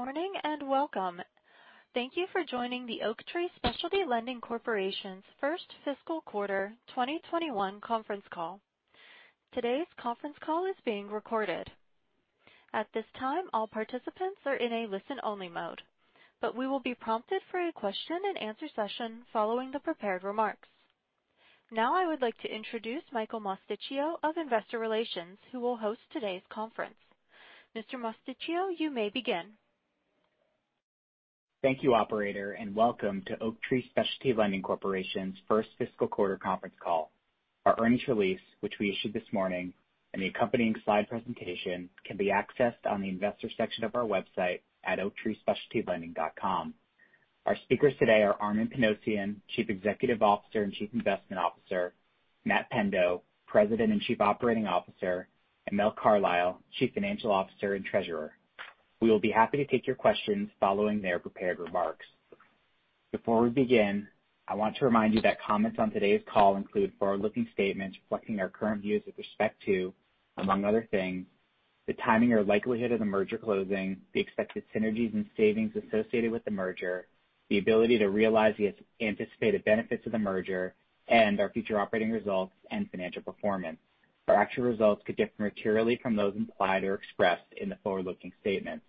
Good morning and welcome. Thank you for joining the Oaktree Specialty Lending Corporation's first fiscal quarter 2021 conference call. Today's conference call is being recorded. At this time, all participants are in a listen-only mode, but we will be prompted for a question and answer session following the prepared remarks. Now I would like to introduce Michael Mosticchio of Investor Relations, who will host today's conference. Mr. Mosticchio, you may begin. Thank you, operator, and welcome to Oaktree Specialty Lending Corporation's first fiscal quarter conference call. Our earnings release, which we issued this morning, and the accompanying slide presentation can be accessed on the investor section of our website at oaktreespecialtylending.com. Our speakers today are Armen Panossian, Chief Executive Officer and Chief Investment Officer, Matt Pendo, President and Chief Operating Officer, and Mel Carlisle, Chief Financial Officer and Treasurer. We will be happy to take your questions following their prepared remarks. Before we begin, I want to remind you that comments on today's call include forward-looking statements reflecting our current views with respect to, among other things, the timing or likelihood of the merger closing, the expected synergies and savings associated with the merger, the ability to realize the anticipated benefits of the merger, and our future operating results and financial performance. Our actual results could differ materially from those implied or expressed in the forward-looking statements.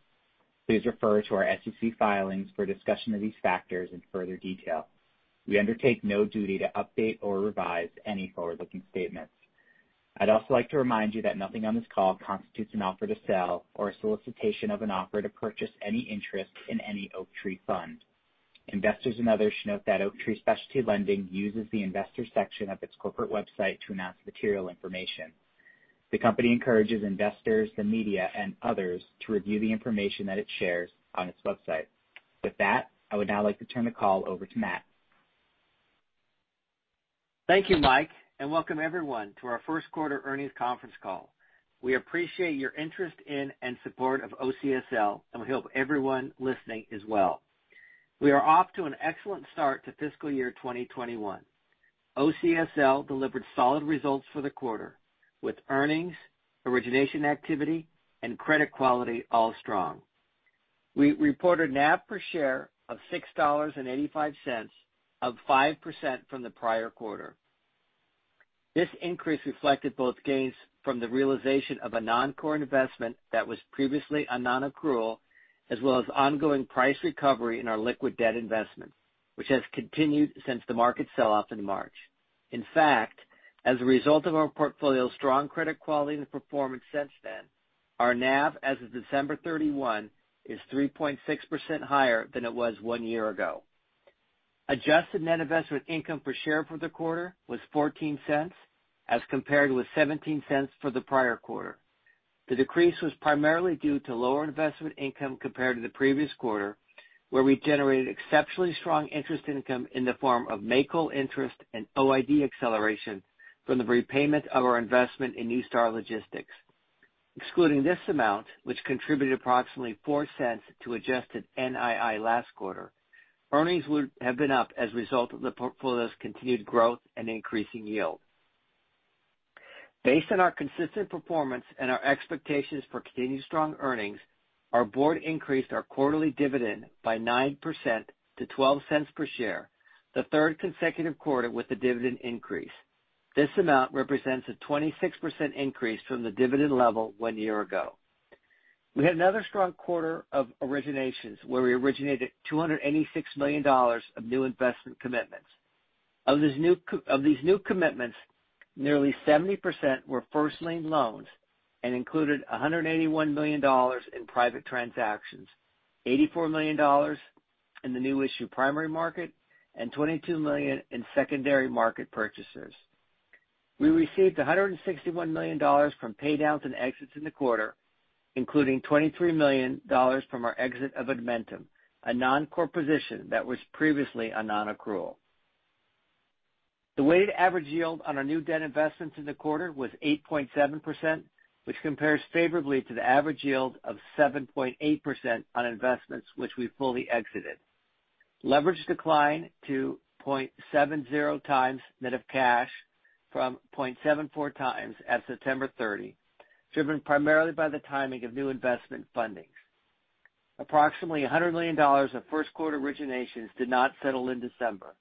Please refer to our SEC filings for a discussion of these factors in further detail. We undertake no duty to update or revise any forward-looking statements. I'd also like to remind you that nothing on this call constitutes an offer to sell or a solicitation of an offer to purchase any interest in any Oaktree fund. Investors and others should note that Oaktree Specialty Lending uses the investor section of its corporate website to announce material information. The company encourages investors, the media, and others to review the information that it shares on its website. With that, I would now like to turn the call over to Matt. Thank you, Mike, and welcome everyone to our first-quarter earnings conference call. We appreciate your interest in and support of OCSL, and we hope everyone listening is well. We are off to an excellent start to fiscal year 2021. OCSL delivered solid results for the quarter, with earnings, origination activity, and credit quality all strong. We reported NAV per share of $6.85, up 5% from the prior quarter. This increase reflected both gains from the realization of a non-core investment that was previously a non-accrual, as well as ongoing price recovery in our liquid debt investment, which has continued since the market sell-off in March. In fact, as a result of our portfolio's strong credit quality and performance since then, our NAV as of December 31 is 3.6% higher than it was one year ago. Adjusted NII per share for the quarter was $0.14 as compared with $0.17 for the prior quarter. The decrease was primarily due to lower investment income compared to the previous quarter, where we generated exceptionally strong interest income in the form of make-whole interest and OID acceleration from the repayment of our investment in NuStar Logistics. Excluding this amount, which contributed approximately $0.04 to adjusted NII last quarter, earnings would have been up as a result of the portfolio's continued growth and increasing yield. Based on our consistent performance and our expectations for continued strong earnings, our board increased our quarterly dividend by 9% to $0.12 per share, the third consecutive quarter with the dividend increase. This amount represents a 26% increase from the dividend level one year ago. We had another strong quarter of originations where we originated $286 million of new investment commitments. Of these new commitments, nearly 70% were first-lien loans and included $181 million in private transactions, $84 million in the new issue primary market, and $22 million in secondary market purchases. We received $161 million from paydowns and exits in the quarter, including $23 million from our exit of Edmentum, a non-core position that was previously a nonaccrual. The weighted average yield on our new debt investments in the quarter was 8.7%, which compares favorably to the average yield of 7.8% on investments which we fully exited. Leverage declined to 0.70 times net of cash from 0.74 times at September 30, driven primarily by the timing of new investment fundings. Approximately $100 million of first-quarter originations did not settle in December.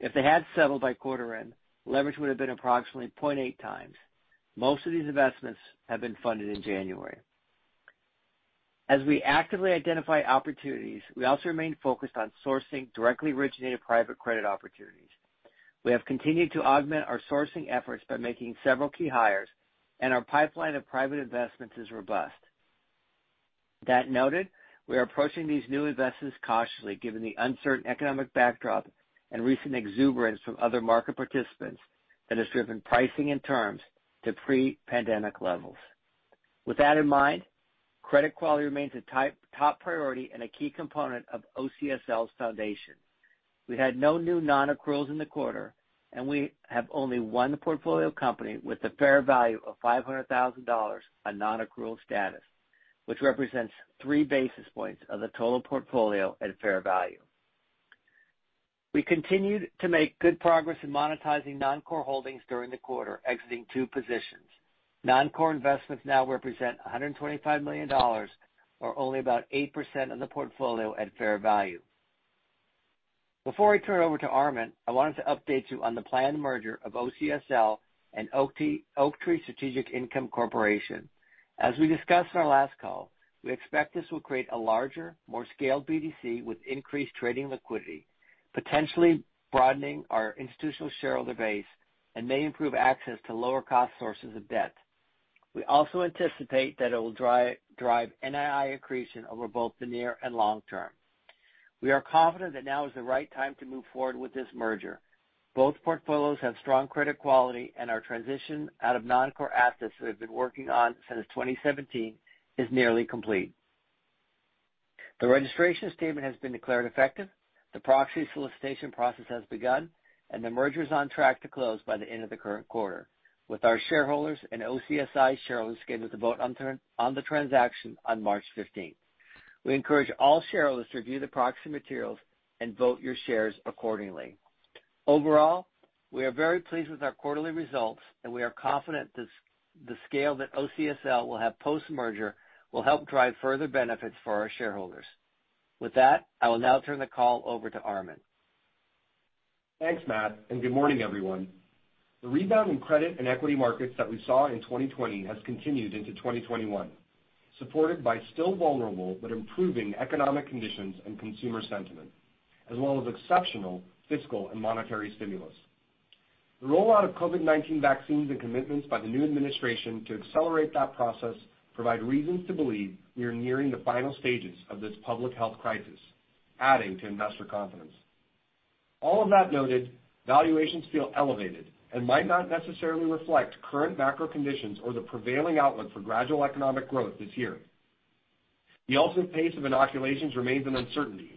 If they had settled by quarter end, leverage would have been approximately 0.8 times. Most of these investments have been funded in January. As we actively identify opportunities, we also remain focused on sourcing directly originated private credit opportunities. We have continued to augment our sourcing efforts by making several key hires, and our pipeline of private investments is robust. That noted, we are approaching these new investments cautiously given the uncertain economic backdrop and recent exuberance from other market participants that has driven pricing and terms to pre-pandemic levels. With that in mind, credit quality remains a top priority and a key component of OCSL's foundation. We had no new non-accruals in the quarter, and we have only one portfolio company with a fair value of $500,000 on non-accrual status, which represents 3 basis points of the total portfolio at fair value. We continued to make good progress in monetizing non-core holdings during the quarter, exiting two positions. Non-core investments now represent $125 million, or only about 8% of the portfolio at fair value. Before I turn it over to Armen, I wanted to update you on the planned merger of OCSL and Oaktree Strategic Income Corporation. As we discussed on our last call, we expect this will create a larger, more scaled BDC with increased trading liquidity, potentially broadening our institutional shareholder base, and may improve access to lower-cost sources of debt. We also anticipate that it will drive NII accretion over both the near and long term. We are confident that now is the right time to move forward with this merger. Both portfolios have strong credit quality, and our transition out of non-core assets that we've been working on since 2017 is nearly complete. The registration statement has been declared effective. The proxy solicitation process has begun, and the merger is on track to close by the end of the current quarter, with our shareholders and OCSI shareholders scheduled to vote on the transaction on March 15th. We encourage all shareholders to review the proxy materials and vote your shares accordingly. Overall, we are very pleased with our quarterly results, and we are confident the scale that OCSL will have post-merger will help drive further benefits for our shareholders. With that, I will now turn the call over to Armen. Thanks, Matt, and good morning, everyone. The rebound in credit and equity markets that we saw in 2020 has continued into 2021, supported by still vulnerable but improving economic conditions and consumer sentiment, as well as exceptional fiscal and monetary stimulus. The rollout of COVID-19 vaccines and commitments by the new administration to accelerate that process provide reasons to believe we are nearing the final stages of this public health crisis, adding to investor confidence. All of that noted, valuations feel elevated and might not necessarily reflect current macro conditions or the prevailing outlook for gradual economic growth this year. The ultimate pace of inoculations remains an uncertainty.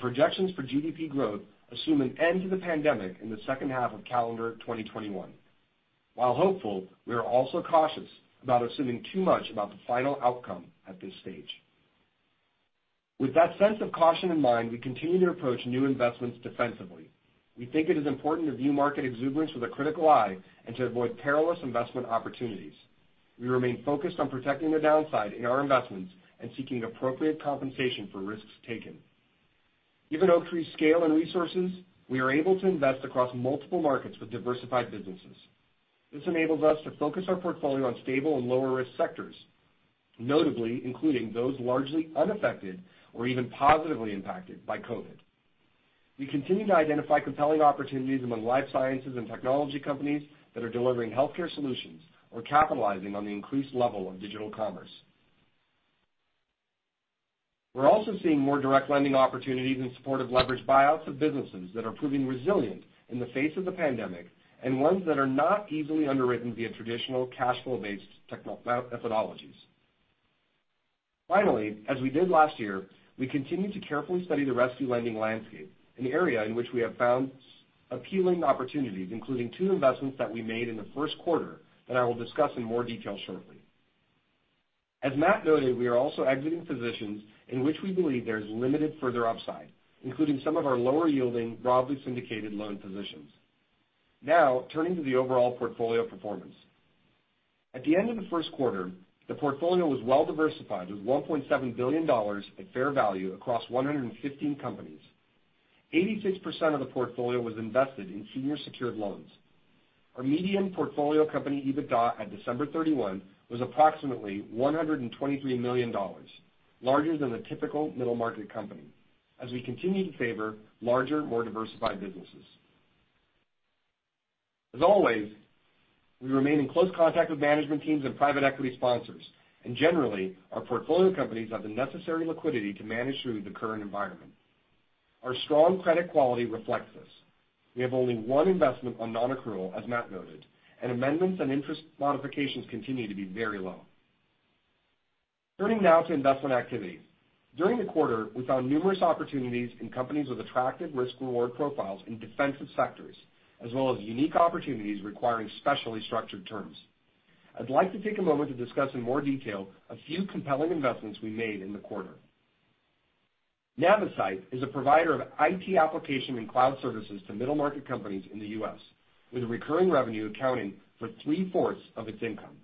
Projections for GDP growth assume an end to the pandemic in the second half of calendar 2021. While hopeful, we are also cautious about assuming too much about the final outcome at this stage. With that sense of caution in mind, we continue to approach new investments defensively. We think it is important to view market exuberance with a critical eye and to avoid perilous investment opportunities. We remain focused on protecting the downside in our investments and seeking appropriate compensation for risks taken. Given Oaktree's scale and resources, we are able to invest across multiple markets with diversified businesses. This enables us to focus our portfolio on stable and lower-risk sectors, notably including those largely unaffected or even positively impacted by COVID. We continue to identify compelling opportunities among life sciences and technology companies that are delivering healthcare solutions or capitalizing on the increased level of digital commerce. We're also seeing more direct lending opportunities in support of leveraged buyouts of businesses that are proving resilient in the face of the pandemic and ones that are not easily underwritten via traditional cash flow-based methodologies. As we did last year, we continue to carefully study the rescue lending landscape, an area in which we have found appealing opportunities, including two investments that we made in the first quarter that I will discuss in more detail shortly. As Matt noted, we are also exiting positions in which we believe there is limited further upside, including some of our lower-yielding, broadly syndicated loan positions. Turning to the overall portfolio performance. At the end of the first quarter, the portfolio was well-diversified, with $1.7 billion at fair value across 115 companies. 86% of the portfolio was invested in senior secured loans. Our median portfolio company EBITDA at December 31 was approximately $123 million, larger than the typical middle market company, as we continue to favor larger, more diversified businesses. Generally, our portfolio companies have the necessary liquidity to manage through the current environment. Our strong credit quality reflects this. We have only one investment on nonaccrual, as Matt noted, Amendments and interest modifications continue to be very low. Turning now to investment activity. During the quarter, we found numerous opportunities in companies with attractive risk-reward profiles in defensive sectors, as well as unique opportunities requiring specially structured terms. I'd like to take a moment to discuss in more detail a few compelling investments we made in the quarter. Navisite is a provider of IT application and cloud services to middle-market companies in the U.S., with recurring revenue accounting for three-fourths of its income.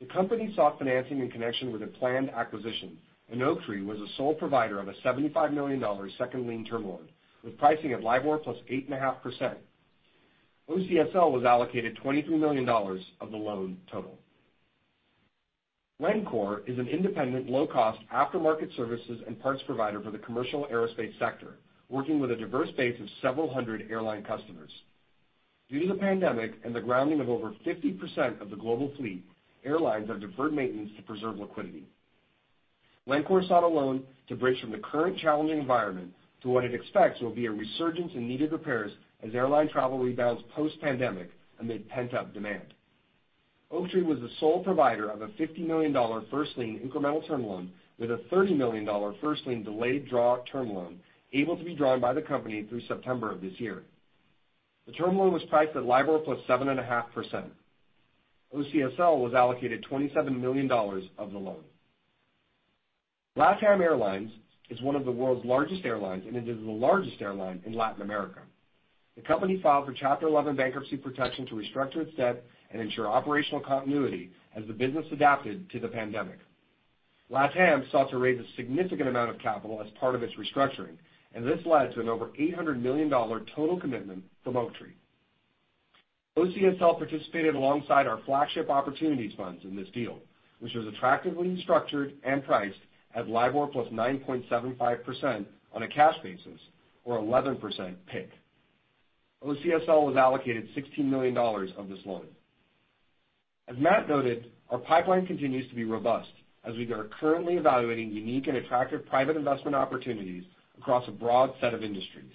The company sought financing in connection with a planned acquisition, and Oaktree was the sole provider of a $75 million second lien term loan, with pricing at LIBOR plus 8.5%. OCSL was allocated $23 million of the loan total. Wencor is an independent, low-cost aftermarket services and parts provider for the commercial aerospace sector, working with a diverse base of several hundred airline customers. Due to the pandemic and the grounding of over 50% of the global fleet, airlines have deferred maintenance to preserve liquidity. Wencor sought a loan to bridge from the current challenging environment to what it expects will be a resurgence in needed repairs as airline travel rebounds post-pandemic amid pent-up demand. Oaktree was the sole provider of a $50 million first-lien incremental term loan with a $30 million first-lien delayed draw term loan, able to be drawn by the company through September of this year. The term loan was priced at LIBOR plus 7.5%. OCSL was allocated $27 million of the loan. LATAM Airlines is one of the world's largest airlines, and it is the largest airline in Latin America. The company filed for Chapter 11 bankruptcy protection to restructure its debt and ensure operational continuity as the business adapted to the pandemic. LATAM sought to raise a significant amount of capital as part of its restructuring, and this led to an over $800 million total commitment from Oaktree. OCSL participated alongside our flagship opportunities funds in this deal, which was attractively structured and priced at LIBOR plus 9.75% on a cash basis or 11% PIK. OCSL was allocated $16 million of this loan. As Matt noted, our pipeline continues to be robust as we are currently evaluating unique and attractive private investment opportunities across a broad set of industries.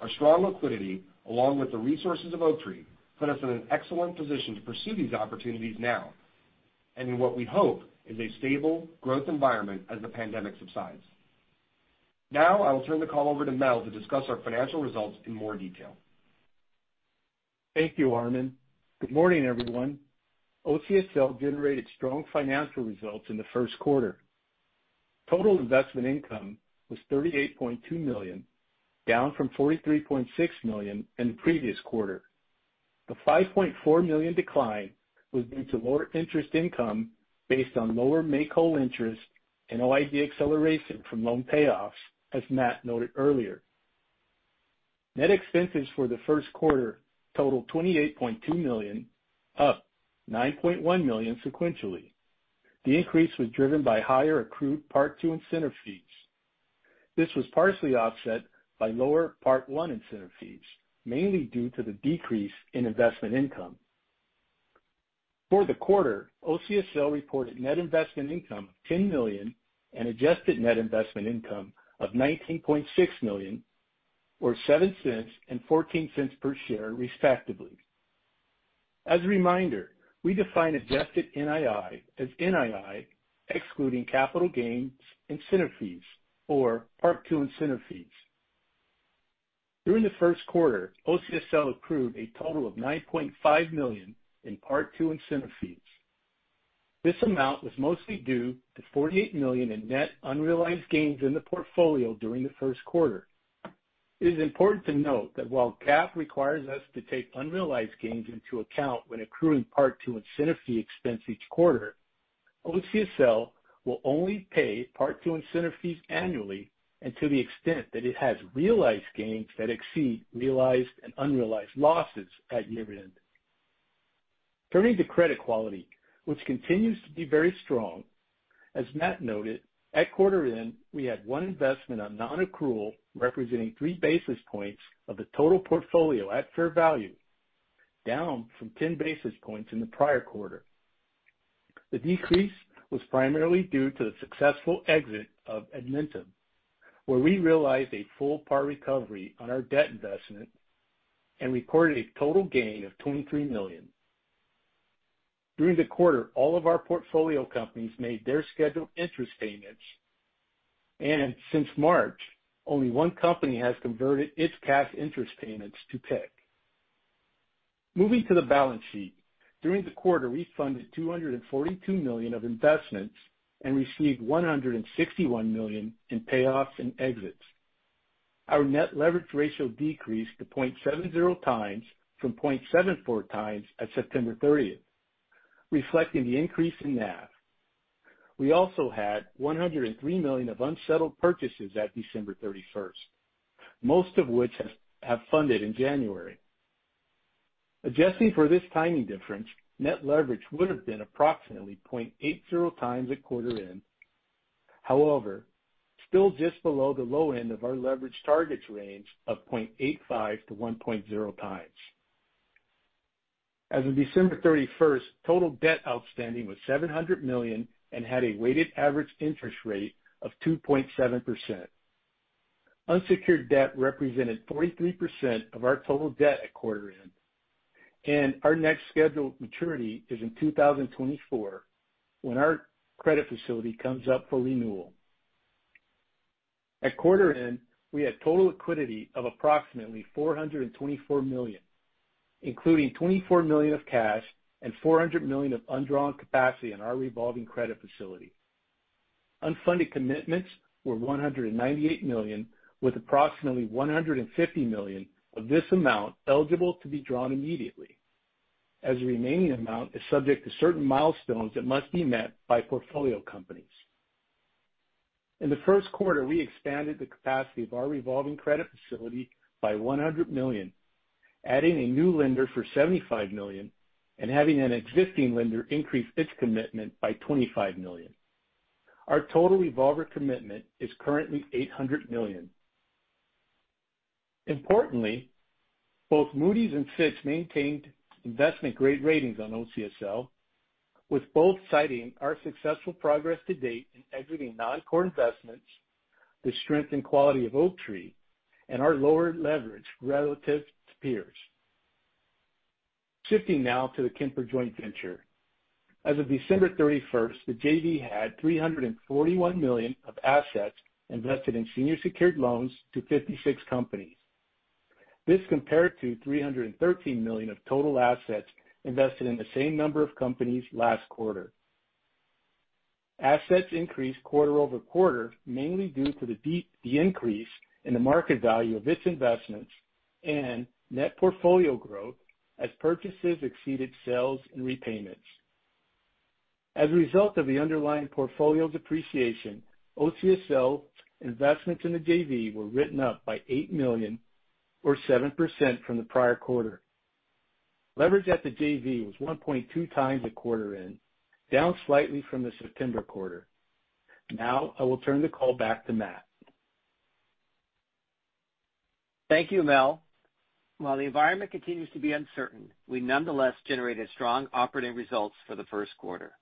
Our strong liquidity, along with the resources of Oaktree, put us in an excellent position to pursue these opportunities now and in what we hope is a stable growth environment as the pandemic subsides. Now I will turn the call over to Mel to discuss our financial results in more detail. Thank you, Armen. Good morning, everyone. OCSL generated strong financial results in the first quarter. Total investment income was $38.2 million, down from $43.6 million in the previous quarter. The $5.4 million decline was due to lower interest income based on lower make-whole interest and OID acceleration from loan payoffs, as Matt noted earlier. Net expenses for the first quarter totaled $28.2 million, up 9.1 million sequentially. The increase was driven by higher accrued Part II incentive fees. This was partially offset by lower Part I incentive fees, mainly due to the decrease in investment income. For the quarter, OCSL reported net investment income of $10 million and adjusted net investment income of $19.6 million, or $0.07 and $0.14 per share, respectively. As a reminder, we define adjusted NII as NII excluding capital gains incentive fees or Part II incentive fees. During the first quarter, OCSL accrued a total of $9.5 million in Part II incentive fees. This amount was mostly due to $48 million in net unrealized gains in the portfolio during the first quarter. It is important to note that while GAAP requires us to take unrealized gains into account when accruing Part II incentive fee expense each quarter, OCSL will only pay Part II incentive fees annually and to the extent that it has realized gains that exceed realized and unrealized losses at year-end. Turning to credit quality, which continues to be very strong. As Matt noted, at quarter end, we had one investment on non-accrual representing three basis points of the total portfolio at fair value, down from 10 basis points in the prior quarter. The decrease was primarily due to the successful exit of Edmentum, where we realized a full par recovery on our debt investment and recorded a total gain of $23 million. During the quarter, all of our portfolio companies made their scheduled interest payments, since March, only one company has converted its cash interest payments to PIK. Moving to the balance sheet. During the quarter, we funded $242 million of investments and received $161 million in payoffs and exits. Our net leverage ratio decreased to 0.70x from 0.74x at September 30, reflecting the increase in NAV. We also had $103 million of unsettled purchases at December 31, most of which have funded in January. Adjusting for this timing difference, net leverage would have been approximately 0.80x at quarter end. Still just below the low end of our leverage targets range of 0.85x-1.0x. As of December 31st, total debt outstanding was $700 million and had a weighted average interest rate of 2.7%. Unsecured debt represented 43% of our total debt at quarter end, and our next scheduled maturity is in 2024 when our credit facility comes up for renewal. At quarter end, we had total liquidity of approximately $424 million, including $24 million of cash and $400 million of undrawn capacity in our revolving credit facility. Unfunded commitments were $198 million, with approximately $150 million of this amount eligible to be drawn immediately as the remaining amount is subject to certain milestones that must be met by portfolio companies. In the first quarter, we expanded the capacity of our revolving credit facility by $100 million, adding a new lender for $75 million and having an existing lender increase its commitment by $25 million. Our total revolver commitment is currently $800 million. Importantly, both Moody's and Fitch maintained investment-grade ratings on OCSL, with both citing our successful progress to date in exiting non-core investments, the strength and quality of Oaktree, and our lower leverage relative to peers. Shifting now to the Kemper joint venture. As of December 31st, the JV had $341 million of assets invested in senior secured loans to 56 companies. This compared to $313 million of total assets invested in the same number of companies last quarter. Assets increased quarter over quarter, mainly due to the increase in the market value of its investments and net portfolio growth as purchases exceeded sales and repayments. As a result of the underlying portfolio depreciation, OCSL investments in the JV were written up by $8 million or 7% from the prior quarter. Leverage at the JV was 1.2x at quarter end, down slightly from the September quarter. Now I will turn the call back to Matt. Thank you, Mel. While the environment continues to be uncertain, we nonetheless generated strong operating results for the first quarter.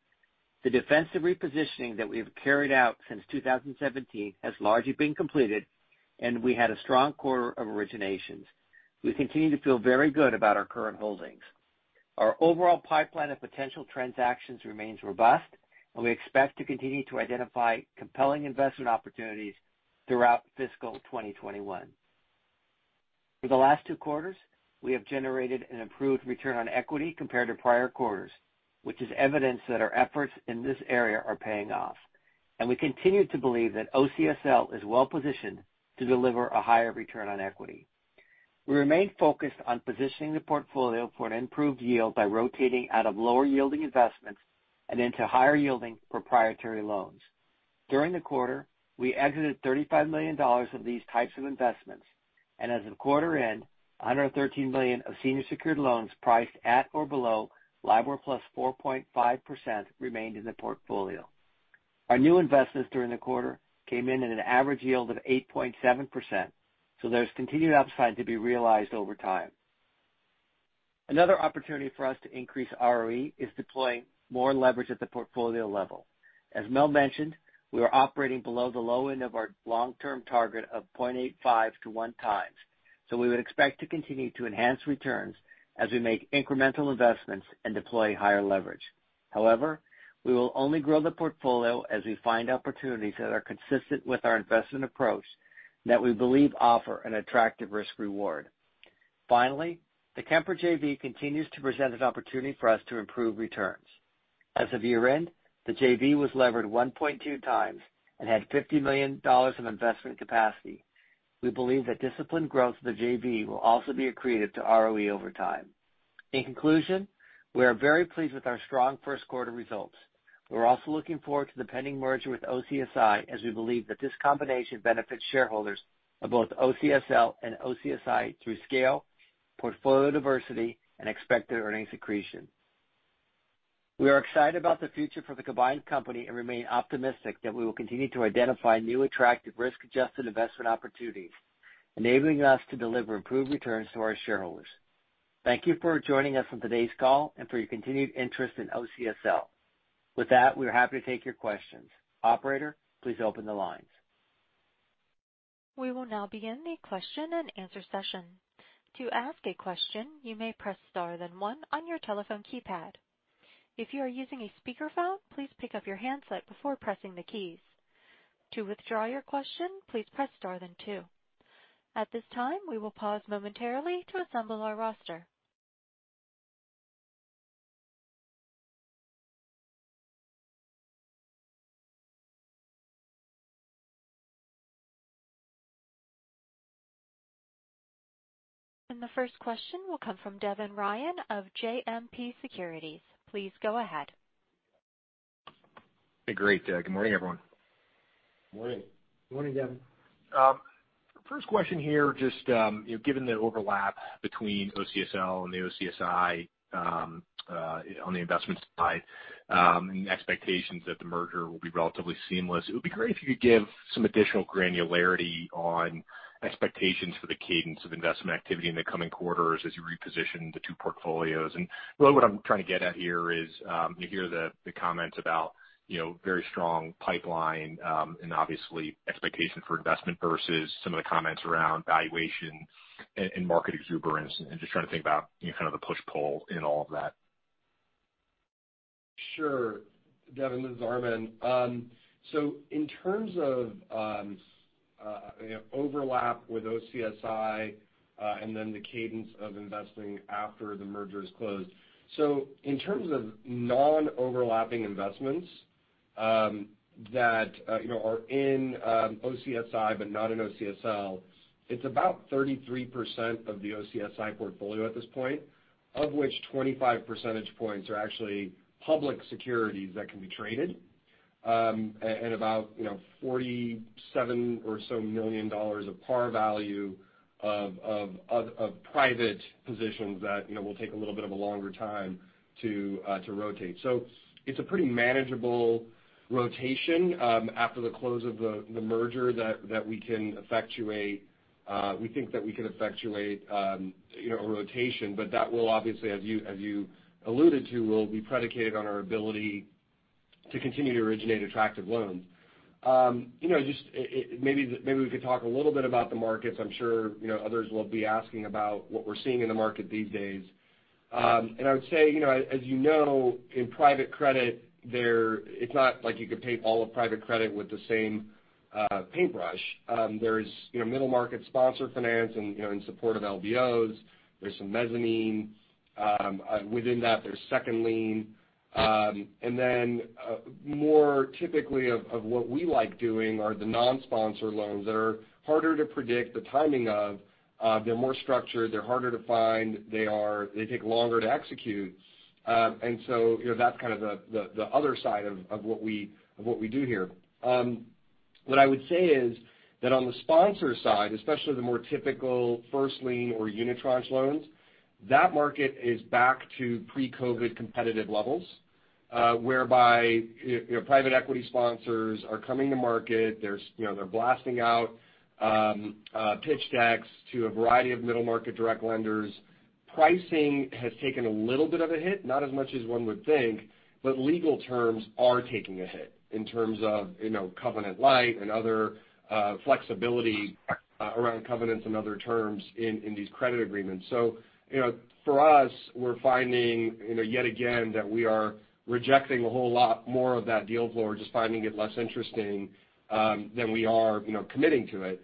The defensive repositioning that we have carried out since 2017 has largely been completed, and we had a strong quarter of originations. We continue to feel very good about our current holdings. Our overall pipeline of potential transactions remains robust, and we expect to continue to identify compelling investment opportunities throughout fiscal 2021. For the last two quarters, we have generated an improved return on equity compared to prior quarters, which is evidence that our efforts in this area are paying off, and we continue to believe that OCSL is well positioned to deliver a higher return on equity. We remain focused on positioning the portfolio for an improved yield by rotating out of lower yielding investments and into higher yielding proprietary loans. During the quarter, we exited $35 million of these types of investments. As of quarter end, $113 million of senior secured loans priced at or below LIBOR plus 4.5% remained in the portfolio. Our new investments during the quarter came in at an average yield of 8.7%. There's continued upside to be realized over time. Another opportunity for us to increase ROE is deploying more leverage at the portfolio level. As Mel mentioned, we are operating below the low end of our long-term target of 0.85 to 1x. We would expect to continue to enhance returns as we make incremental investments and deploy higher leverage. We will only grow the portfolio as we find opportunities that are consistent with our investment approach that we believe offer an attractive risk reward. The Kemper JV continues to present an opportunity for us to improve returns. As of year end, the JV was levered 1.2x and had $50 million in investment capacity. We believe that disciplined growth of the JV will also be accretive to ROE over time. In conclusion, we are very pleased with our strong first quarter results. We're also looking forward to the pending merger with OCSI, as we believe that this combination benefits shareholders of both OCSL and OCSI through scale, portfolio diversity, and expected earnings accretion. We are excited about the future for the combined company and remain optimistic that we will continue to identify new attractive risk-adjusted investment opportunities, enabling us to deliver improved returns to our shareholders. Thank you for joining us on today's call and for your continued interest in OCSL. With that, we are happy to take your questions. Operator, please open the lines. We will now begin the question and answer session. The first question will come from Devin Ryan of JMP Securities. Please go ahead. Hey, great. Good morning, everyone. Morning. Morning, Devin. First question here, just given the overlap between OCSL and the OCSI on the investment side and expectations that the merger will be relatively seamless, it would be great if you could give some additional granularity on expectations for the cadence of investment activity in the coming quarters as you reposition the two portfolios. Really what I'm trying to get at here is you hear the comments about very strong pipeline and obviously expectation for investment versus some of the comments around valuation and market exuberance and just trying to think about kind of the push-pull in all of that. Sure. Devin, this is Armen. In terms of overlap with OCSI and then the cadence of investing after the merger is closed. In terms of non-overlapping investments that are in OCSI but not in OCSL, it's about 33% of the OCSI portfolio at this point, of which 25 percentage points are actually public securities that can be traded and about $47 million of par value of private positions that will take a little bit of a longer time to rotate. It's a pretty manageable rotation after the close of the merger that we think that we can effectuate a rotation. That will obviously, as you alluded to, will be predicated on our ability to continue to originate attractive loans. Maybe we could talk a little bit about the markets. I'm sure others will be asking about what we're seeing in the market these days. I would say, as you know, in private credit, it's not like you could paint all of private credit with the same paintbrush. There is middle market sponsor finance in support of LBOs. There's some mezzanine. Within that, there's second lien. More typically of what we like doing are the non-sponsor loans that are harder to predict the timing of. They're more structured, they're harder to find. They take longer to execute. That's kind of the other side of what we do here. What I would say is that on the sponsor side, especially the more typical first lien or unitranche loans, that market is back to pre-COVID competitive levels, whereby private equity sponsors are coming to market. They're blasting out pitch decks to a variety of middle market direct lenders. Pricing has taken a little bit of a hit, not as much as one would think. Legal terms are taking a hit in terms of covenant-lite and other flexibility around covenants and other terms in these credit agreements. For us, we're finding, yet again, that we are rejecting a whole lot more of that deal flow or just finding it less interesting than we are committing to it.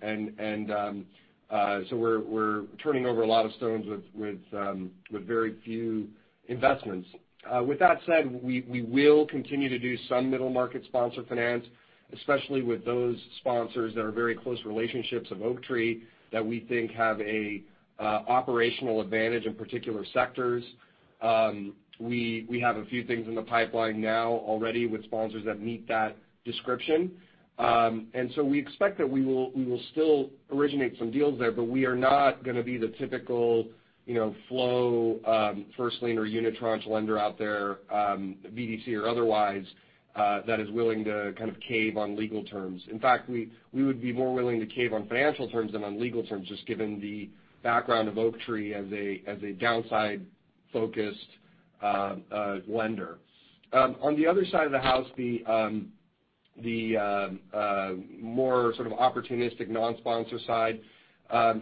We're turning over a lot of stones with very few investments. With that said, we will continue to do some middle market sponsor finance, especially with those sponsors that are very close relationships of Oaktree that we think have a operational advantage in particular sectors. We have a few things in the pipeline now already with sponsors that meet that description. We expect that we will still originate some deals there, but we are not going to be the typical flow first lien or unitranche lender out there, BDC or otherwise, that is willing to kind of cave on legal terms. In fact, we would be more willing to cave on financial terms than on legal terms, just given the background of Oaktree as a downside-focused lender. On the other side of the house, the more sort of opportunistic non-sponsor side, as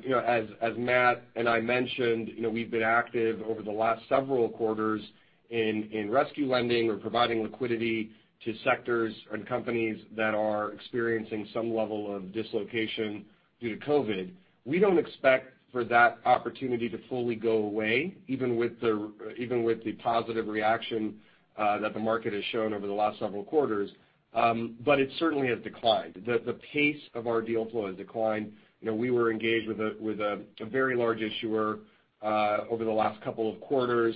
Matt and I mentioned, we've been active over the last several quarters in rescue lending or providing liquidity to sectors and companies that are experiencing some level of dislocation due to COVID-19. We don't expect for that opportunity to fully go away, even with the positive reaction that the market has shown over the last several quarters, but it certainly has declined. The pace of our deal flow has declined. We were engaged with a very large issuer over the last couple of quarters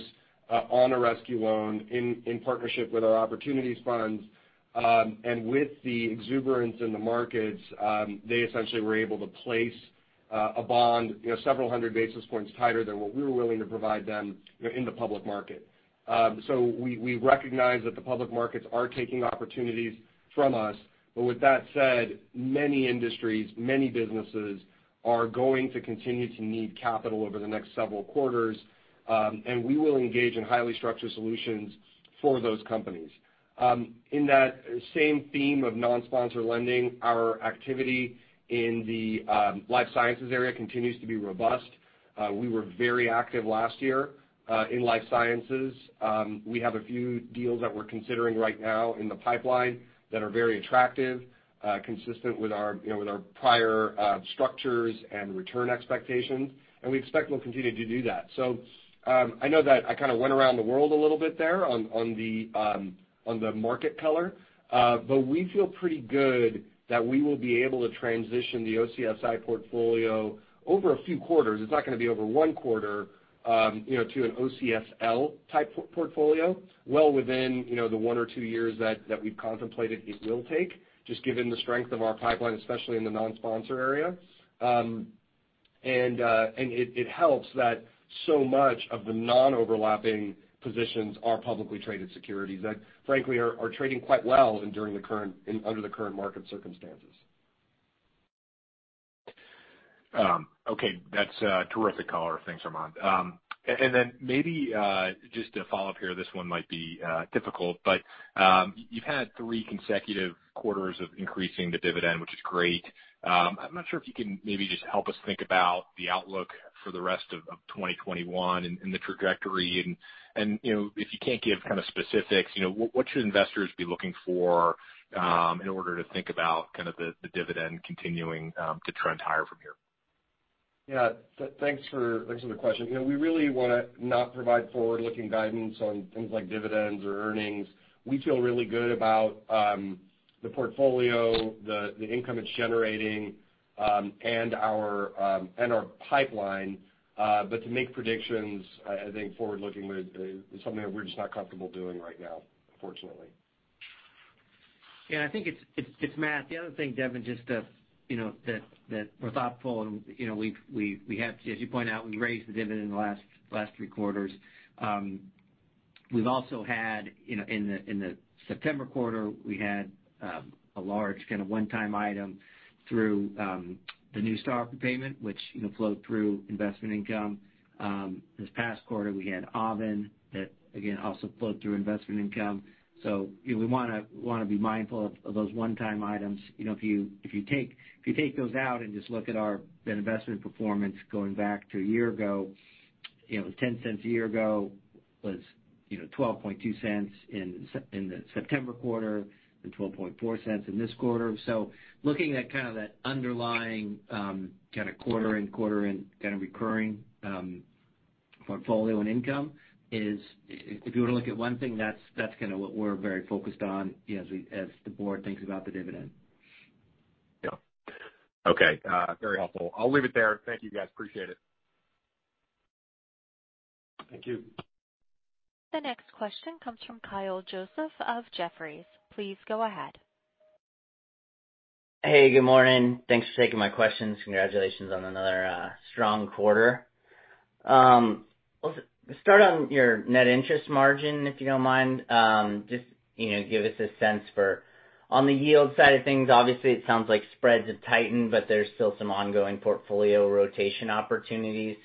on a rescue loan in partnership with our opportunities funds. With the exuberance in the markets, they essentially were able to place a bond several hundred basis points tighter than what we were willing to provide them in the public market. We recognize that the public markets are taking opportunities from us. With that said, many industries, many businesses are going to continue to need capital over the next several quarters, and we will engage in highly structured solutions for those companies. In that same theme of non-sponsor lending, our activity in the life sciences area continues to be robust. We were very active last year in life sciences. We have a few deals that we're considering right now in the pipeline that are very attractive, consistent with our prior structures and return expectations, and we expect we'll continue to do that. I know that I kind of went around the world a little bit there on the market color, but we feel pretty good that we will be able to transition the OCSI portfolio over a few quarters, it's not going to be over one quarter, to an OCSL type portfolio well within the one or two years that we've contemplated it will take, just given the strength of our pipeline, especially in the non-sponsor area. It helps that so much of the non-overlapping positions are publicly traded securities that frankly are trading quite well under the current market circumstances. Okay. That's a terrific color. Thanks, Armen. Maybe just to follow up here, this one might be difficult, but you've had three consecutive quarters of increasing the dividend, which is great. I'm not sure if you can maybe just help us think about the outlook for the rest of 2021 and the trajectory and, if you can't give kind of specifics, what should investors be looking for in order to think about kind of the dividend continuing to trend higher from here? Yeah. Thanks for the question. We really want to not provide forward-looking guidance on things like dividends or earnings. We feel really good about the portfolio, the income it's generating, and our pipeline. To make predictions, I think forward-looking is something that we're just not comfortable doing right now, unfortunately. I think it's Matt. The other thing, Devin, just that we're thoughtful and as you point out, we raised the dividend in the last three quarters. We've also had in the September quarter, we had a large kind of one-time item through the NuStar payment, which flowed through investment income. This past quarter, we had Avon that again also flowed through investment income. We want to be mindful of those one-time items. If you take those out and just look at our investment performance going back to a year ago. It was $0.10 a year ago, was $0.122 in the September quarter, and $0.124 in this quarter. Looking at that underlying quarter in, quarter in recurring portfolio and income is, if you were to look at one thing, that's what we're very focused on as the board thinks about the dividend. Yeah. Okay. Very helpful. I'll leave it there. Thank you, guys. Appreciate it. Thank you. The next question comes from Kyle Joseph of Jefferies. Please go ahead. Hey, good morning. Thanks for taking my questions. Congratulations on another strong quarter. Let's start on your net interest margin, if you don't mind. Just give us a sense for on the yield side of things. Obviously, it sounds like spreads have tightened, but there's still some ongoing portfolio rotation opportunities.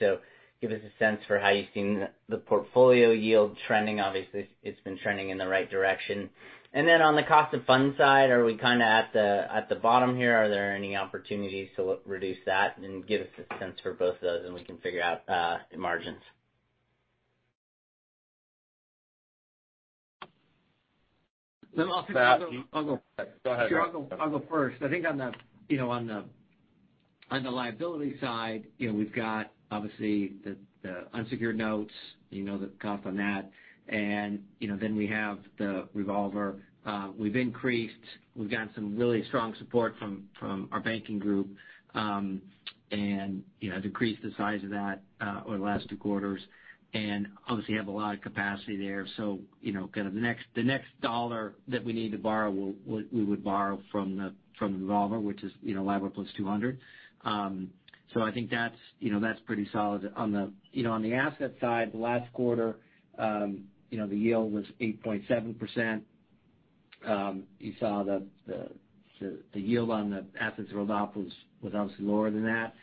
Give us a sense for how you've seen the portfolio yield trending. Obviously, it's been trending in the right direction. On the cost of funds side, are we at the bottom here? Are there any opportunities to reduce that? Give us a sense for both of those, and we can figure out the margins. I'll go first. I think on the liability side, we've got obviously the unsecured notes, the cost on that. We have the revolver. We've gotten some really strong support from our banking group, and decreased the size of that over the last two quarters, and obviously have a lot of capacity there. The next $ that we need to borrow, we would borrow from the revolver, which is LIBOR plus 200. I think that's pretty solid. On the asset side, the last quarter the yield was 8.7%. You saw the yield on the assets rolled off was obviously lower than that.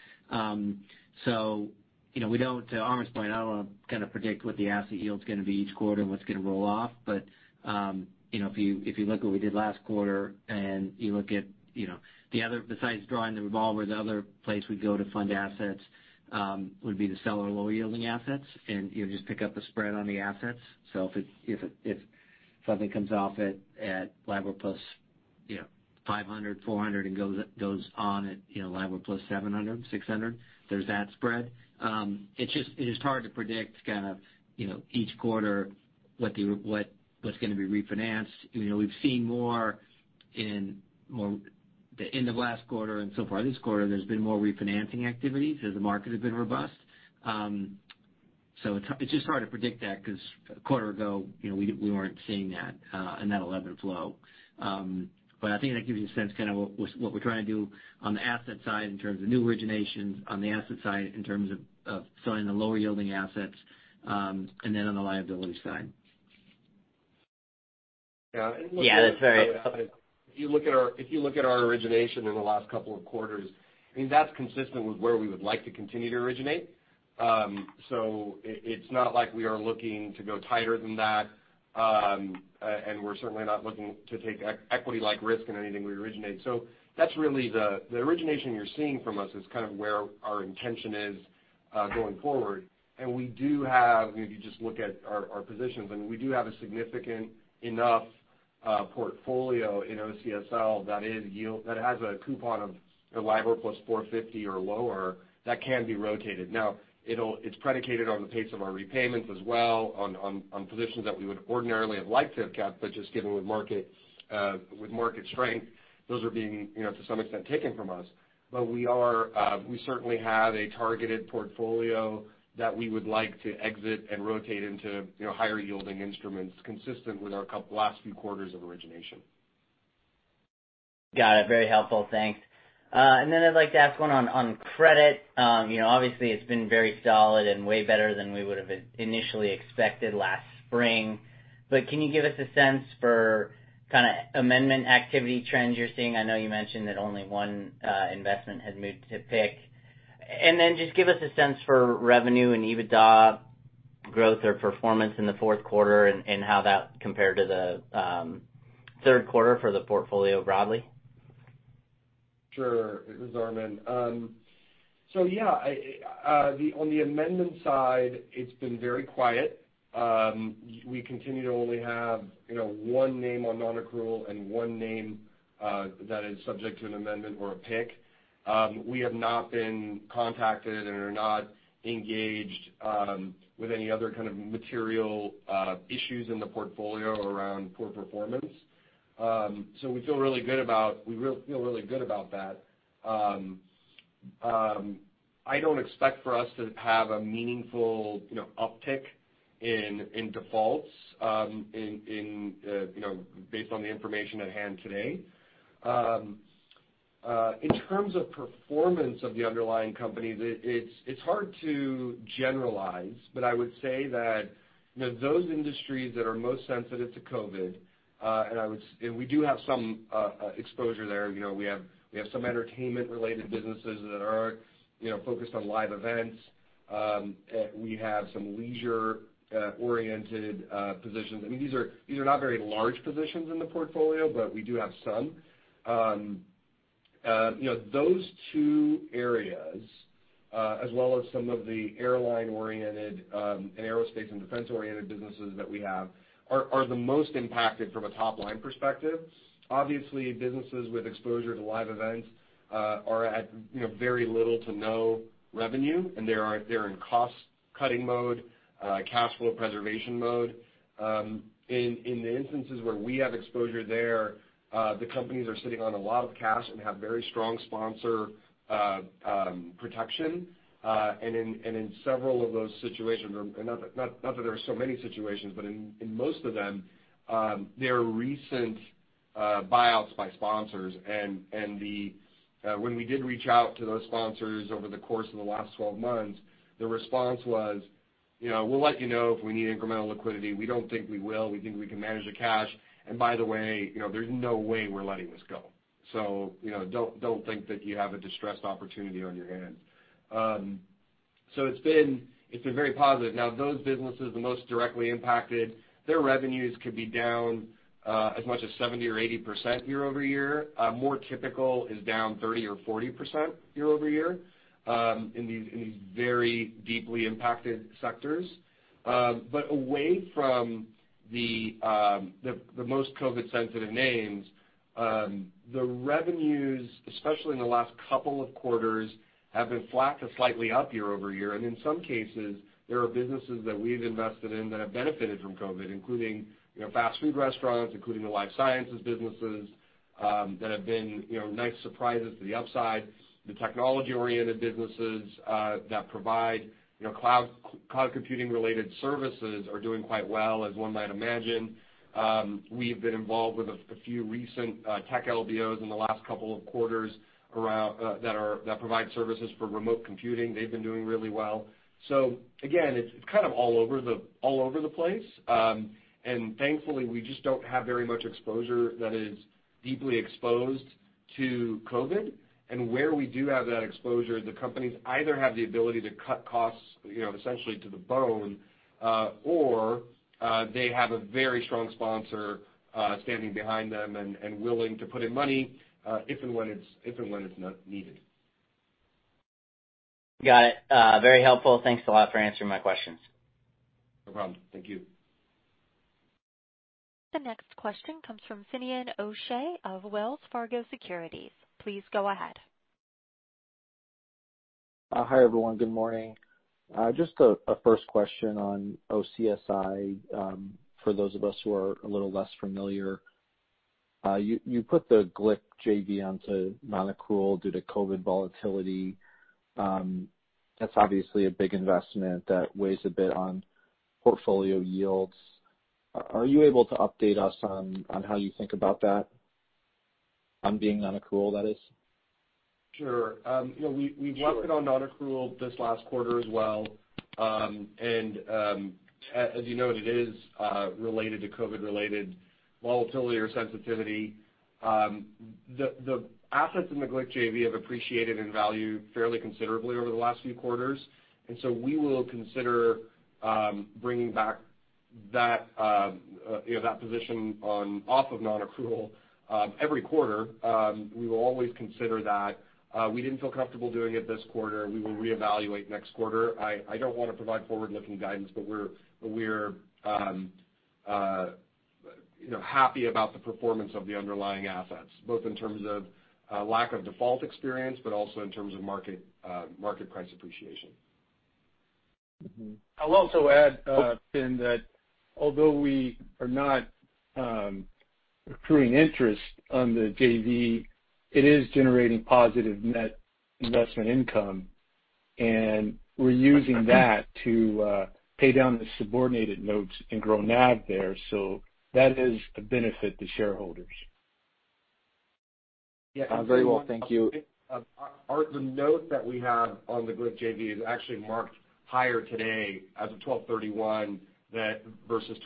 To Armen's point, I don't want to predict what the asset yield's going to be each quarter and what's going to roll off. If you look what we did last quarter and you look at besides drawing the revolver, the other place we'd go to fund assets would be to sell our lower yielding assets and just pick up the spread on the assets. If something comes off at LIBOR plus 500, 400 and goes on at LIBOR plus 700, 600, there's that spread. It is hard to predict each quarter what's going to be refinanced. We've seen more in the end of last quarter and so far this quarter, there's been more refinancing activity because the market has been robust. It's just hard to predict that because a quarter ago we weren't seeing that and that level of flow. I think that gives you a sense what we're trying to do on the asset side in terms of new originations, on the asset side in terms of selling the lower yielding assets, and then on the liability side. Yeah. Yeah, that's very helpful. If you look at our origination in the last couple of quarters, that's consistent with where we would like to continue to originate. It's not like we are looking to go tighter than that. We're certainly not looking to take equity-like risk in anything we originate. The origination you're seeing from us is kind of where our intention is going forward. If you just look at our positions, and we do have a significant enough portfolio in OCSL that has a coupon of LIBOR plus 450 or lower that can be rotated. Now it's predicated on the pace of our repayments as well on positions that we would ordinarily have liked to have kept, but just given with market strength, those are being to some extent taken from us. We certainly have a targeted portfolio that we would like to exit and rotate into higher yielding instruments consistent with our last few quarters of origination. Got it. Very helpful. Thanks. I'd like to ask one on credit. Obviously, it's been very solid and way better than we would've initially expected last spring. Can you give us a sense for kind of amendment activity trends you're seeing? I know you mentioned that only one investment had moved to PIK. Just give us a sense for revenue and EBITDA growth or performance in the fourth quarter, and how that compared to the third quarter for the portfolio broadly. Sure. This is Armen. Yeah. On the amendment side, it's been very quiet. We continue to only have one name on non-accrual and one name that is subject to an amendment or a PIK. We have not been contacted and are not engaged with any other kind of material issues in the portfolio around poor performance. We feel really good about that. I don't expect for us to have a meaningful uptick in defaults based on the information at hand today. In terms of performance of the underlying companies, it's hard to generalize, but I would say that those industries that are most sensitive to COVID-19, and we do have some exposure there. We have some entertainment-related businesses that are focused on live events. We have some leisure-oriented positions. These are not very large positions in the portfolio, but we do have some. Those two areas, as well as some of the airline-oriented and aerospace and defense-oriented businesses that we have, are the most impacted from a top-line perspective. Obviously, businesses with exposure to live events are at very little to no revenue, and they're in cost-cutting mode, cash flow preservation mode. In the instances where we have exposure there, the companies are sitting on a lot of cash and have very strong sponsor protection. In several of those situations, not that there are so many situations, but in most of them, there are recent buyouts by sponsors. When we did reach out to those sponsors over the course of the last 12 months, the response was, "We'll let you know if we need incremental liquidity. We don't think we will. We think we can manage the cash. By the way, there's no way we're letting this go. Don't think that you have a distressed opportunity on your hands. It's been very positive. Those businesses, the most directly impacted, their revenues could be down as much as 70% or 80% year-over-year. More typical is down 30% or 40% year-over-year in these very deeply impacted sectors. Away from the most COVID-sensitive names, the revenues, especially in the last couple of quarters, have been flat to slightly up year-over-year. In some cases, there are businesses that we've invested in that have benefited from COVID, including fast food restaurants, including the life sciences businesses, that have been nice surprises to the upside. The technology-oriented businesses that provide cloud computing-related services are doing quite well, as one might imagine. We've been involved with a few recent tech LBOs in the last couple of quarters that provide services for remote computing. They've been doing really well. Again, it's kind of all over the place. Thankfully, we just don't have very much exposure that is deeply exposed to COVID. Where we do have that exposure, the companies either have the ability to cut costs, essentially to the bone, or they have a very strong sponsor standing behind them and willing to put in money if and when it's needed. Got it. Very helpful. Thanks a lot for answering my questions. No problem. Thank you. The next question comes from Finian O'Shea of Wells Fargo Securities. Please go ahead. Hi, everyone. Good morning. Just a first question on OCSI. For those of us who are a little less familiar, you put the Glick JV onto nonaccrual due to COVID volatility. That's obviously a big investment that weighs a bit on portfolio yields. Are you able to update us on how you think about that? On being nonaccrual, that is. Sure. We left it on nonaccrual this last quarter as well. As you noted, it is related to COVID-related volatility or sensitivity. The assets in the Glick JV have appreciated in value fairly considerably over the last few quarters. We will consider bringing back that position off of nonaccrual every quarter. We will always consider that. We didn't feel comfortable doing it this quarter. We will reevaluate next quarter. I don't want to provide forward-looking guidance, but we're happy about the performance of the underlying assets, both in terms of lack of default experience, but also in terms of market price appreciation. I'll also add, Fin, that although we are not accruing interest on the JV, it is generating positive net investment income. We're using that to pay down the subordinated notes and grow NAV there. That is a benefit to shareholders. Very well. Thank you. The note that we have on the Glick JV is actually marked higher today as of 12/31 versus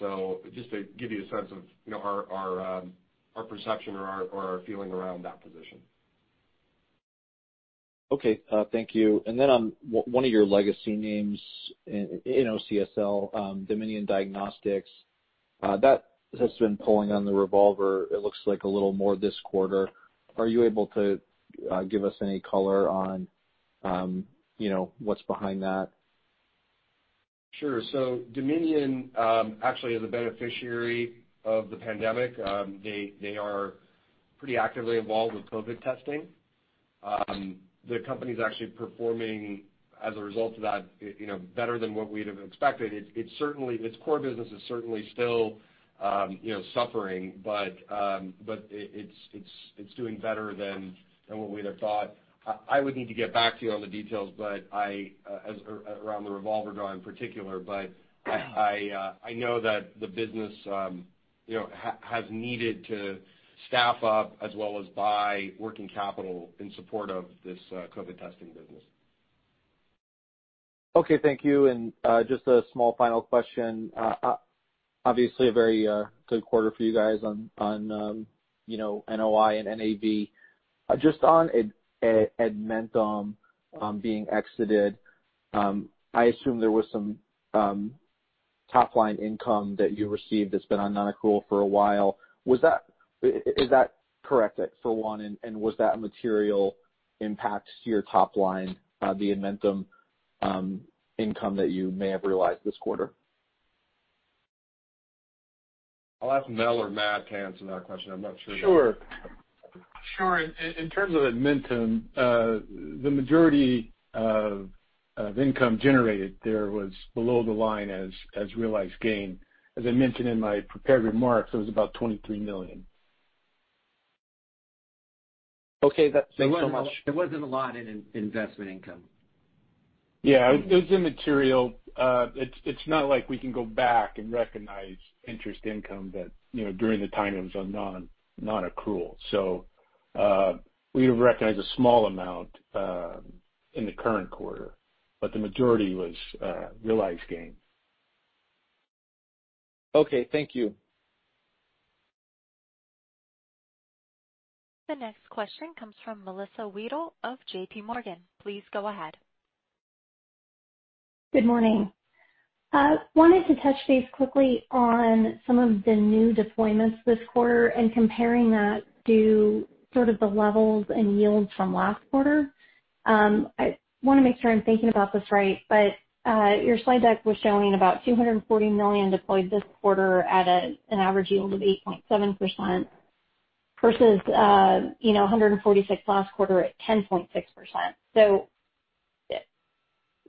12/31/2019. Just to give you a sense of our perception or our feeling around that position. Okay. Thank you. On one of your legacy names in OCSL, Dominion Diagnostics, that has been pulling on the revolver, it looks like a little more this quarter. Are you able to give us any color on what's behind that? Sure. Dominion actually is a beneficiary of the pandemic. They are pretty actively involved with COVID testing. The company's actually performing as a result of that better than what we'd have expected. Its core business is certainly still suffering, but it's doing better than what we'd have thought. I would need to get back to you on the details around the revolver draw in particular, but I know that the business has needed to staff up as well as buy working capital in support of this COVID testing business. Okay. Thank you. Just a small final question. Obviously, a very good quarter for you guys on NOI and NAV. Just on Edmentum being exited, I assume there was some top line income that you received that's been on nonaccrual for a while. Is that correct, for one, and was that a material impact to your top line, the Edmentum income that you may have realized this quarter? I'll ask Mel or Matt to answer that question. I'm not sure. Sure. In terms of Edmentum, the majority of income generated there was below the line as realized gain. As I mentioned in my prepared remarks, it was about $23 million. Okay. Thanks so much. There wasn't a lot in investment income. Yeah. It was immaterial. It's not like we can go back and recognize interest income that during the time it was on nonaccrual. We recognize a small amount in the current quarter, but the majority was realized gain. Okay, thank you. The next question comes from Melissa Wedel of JPMorgan. Please go ahead. Good morning. Wanted to touch base quickly on some of the new deployments this quarter and comparing that to sort of the levels and yields from last quarter. I want to make sure I'm thinking about this right, but, your slide deck was showing about $240 million deployed this quarter at an average yield of 8.7% versus, $146 last quarter at 10.6%.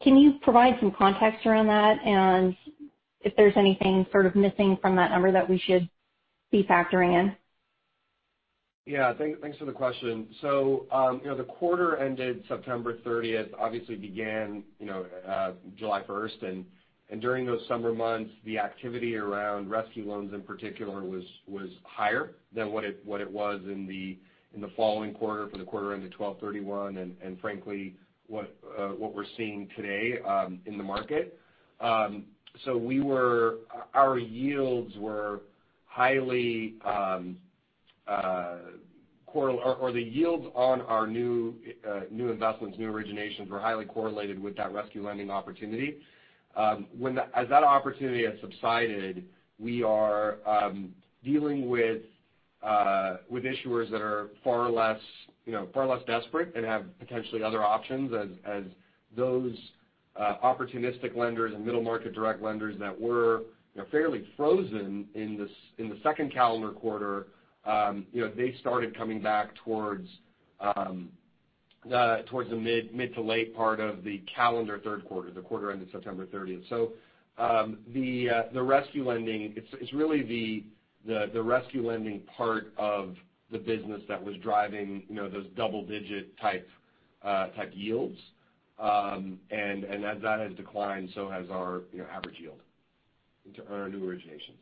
Can you provide some context around that and if there's anything sort of missing from that number that we should be factoring in? Thanks for the question. The quarter ended September 30th, obviously began July 1st, and during those summer months, the activity around rescue loans in particular was higher than what it was in the following quarter for the quarter ended 12/31, and frankly, what we're seeing today in the market. Our yields on our new investments, new originations, were highly correlated with that rescue lending opportunity. As that opportunity has subsided, we are dealing with issuers that are far less desperate and have potentially other options as those opportunistic lenders and middle-market direct lenders that were fairly frozen in the second calendar quarter. They started coming back towards the mid to late part of the calendar third quarter, the quarter ended September 30th. It's really the rescue lending part of the business that was driving those double-digit type yields. As that has declined, so has our average yield into our new originations.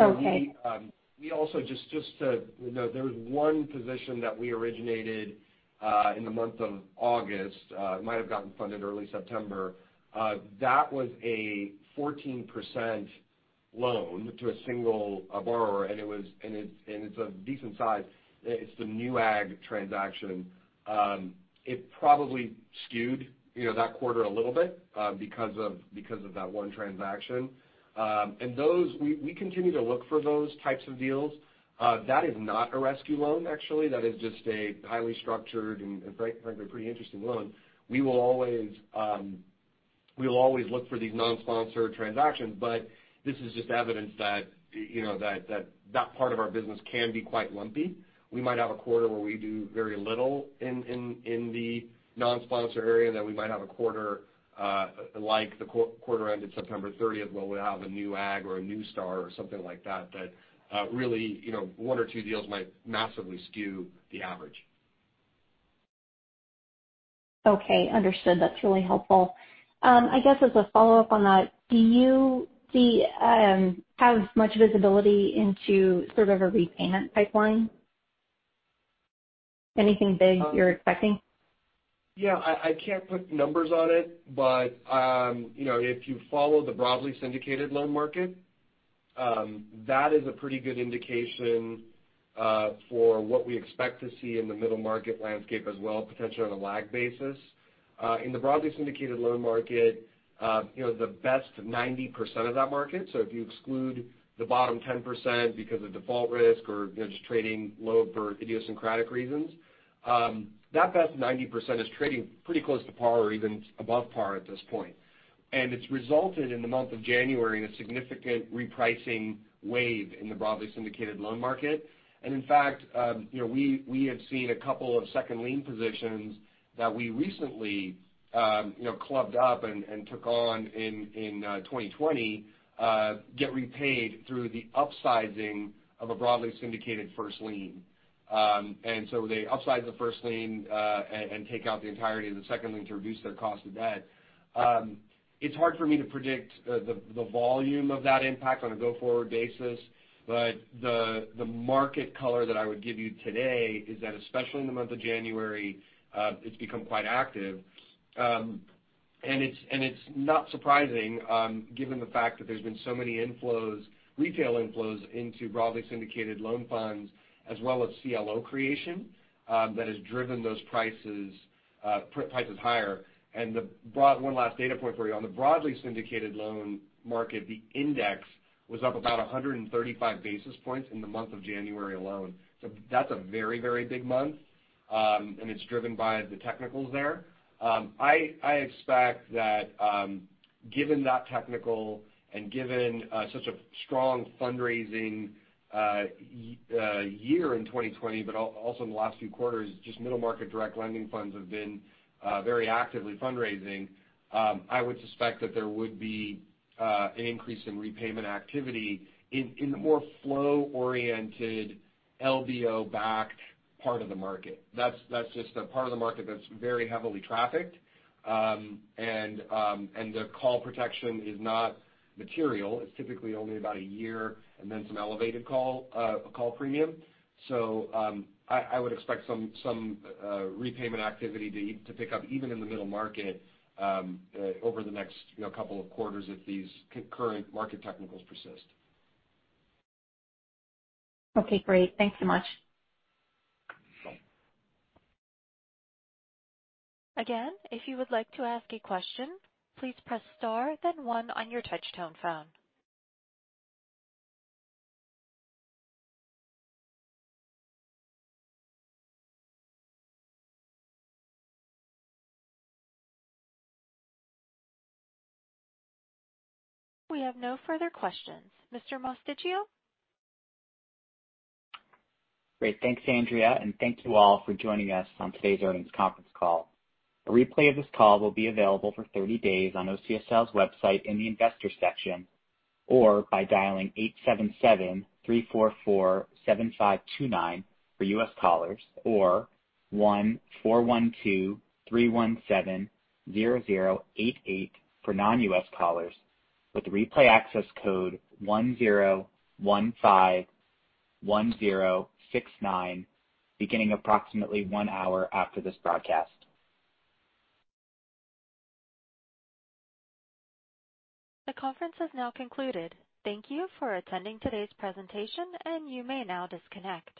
Okay. We also there was one position that we originated in the month of August. It might have gotten funded early September. That was a 14% loan to a single borrower, and it's a decent size. It's the Newegg transaction. It probably skewed that quarter a little bit, because of that one transaction. We continue to look for those types of deals. That is not a rescue loan, actually. That is just a highly structured and frankly, pretty interesting loan. We will always look for these non-sponsored transactions, but this is just evidence that part of our business can be quite lumpy. We might have a quarter where we do very little in the non-sponsor area, then we might have a quarter like the quarter ended September 30th, where we have a Newegg or a NuStar or something like that. Really, one or two deals might massively skew the average. Understood. That's really helpful. I guess as a follow-up on that, do you have much visibility into sort of a repayment pipeline? Anything big you're expecting? Yeah, I can't put numbers on it, but if you follow the broadly syndicated loan market, that is a pretty good indication for what we expect to see in the middle market landscape as well, potentially on a lag basis. In the broadly syndicated loan market, the best 90% of that market, so if you exclude the bottom 10% because of default risk or just trading low for idiosyncratic reasons, that best 90% is trading pretty close to par or even above par at this point. It's resulted in the month of January in a significant repricing wave in the broadly syndicated loan market. In fact, we have seen a couple of second lien positions that we recently clubbed up and took on in 2020, get repaid through the upsizing of a broadly syndicated first lien. They upsize the first lien, and take out the entirety of the second lien to reduce their cost of debt. It's hard for me to predict the volume of that impact on a go-forward basis, but the market color that I would give you today is that, especially in the month of January, it's become quite active. It's not surprising, given the fact that there's been so many inflows, retail inflows into broadly syndicated loan funds, as well as CLO creation, that has driven those prices higher. One last data point for you. On the broadly syndicated loan market, the index was up about 135 basis points in the month of January alone. That's a very, very big month, and it's driven by the technicals there. I expect that given that technical and given such a strong fundraising year in 2020, but also in the last few quarters, just middle market direct lending funds have been very actively fundraising. I would suspect that there would be an increase in repayment activity in the more flow-oriented LBO-backed part of the market. That's just a part of the market that's very heavily trafficked. The call protection is not material. It's typically only about a year and then some elevated call premium. I would expect some repayment activity to pick up even in the middle market over the next couple of quarters if these concurrent market technicals persist. Okay, great. Thanks so much. Sure. Again, if you would like to ask a question, please press star then one on your touch-tone phone. We have no further questions, Mr. Mosticchio. Great. Thanks, Andrea, and thank you all for joining us on today's earnings conference call. A replay of this call will be available for 30 days on OCSL's website in the Investors section, or by dialing 877-344-7529 for U.S. callers or 1-412-317-0088 for non-U.S. callers with the replay access code 10151069, beginning approximately one hour after this broadcast. The conference has now concluded. Thank you for attending today's presentation, and you may now disconnect.